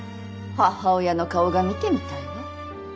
母親の顔が見てみたいわ。